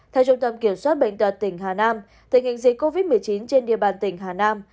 theo trung tâm kiểm soát bệnh tật tỉnh hà nam tình hình dịch covid một mươi chín trên địa bàn tỉnh hà nam